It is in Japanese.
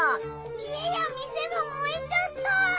家や店がもえちゃった！